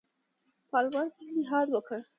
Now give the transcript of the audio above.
پالمر پېشنهاد وکړ.